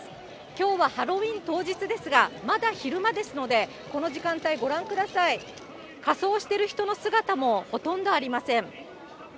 きょうはハロウィーン当日ですが、まだ昼間ですので、この時間帯、ご覧ください、仮装している人の姿もほとんどありません。